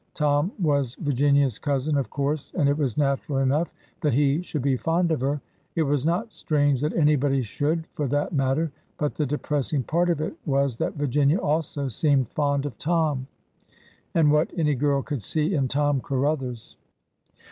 Tom was Virginia's cousin, of course, and it was natural enough that he should be fond of her. It was not strange that anybody should, for that matter; but the depressing part of it was that Virginia also seemed fond of Tom. And what any girl could see in Tom Caruthers!